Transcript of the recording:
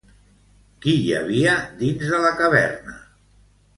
Qui hi havia dins de la caverna?